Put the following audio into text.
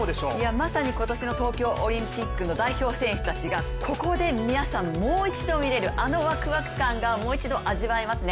まさに今年のととオリンピックの代表選手たちがここで皆さんもう一度見られるあのわくわく感がもう一度味わえますね。